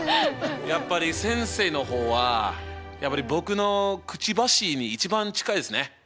やっぱり先生の方は僕のくちばしに一番近いっすね形。